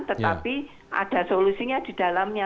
tetapi ada solusinya di dalamnya